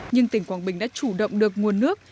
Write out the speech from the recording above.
nhưng tỉnh quảng bình đã chủ động được nguồn nước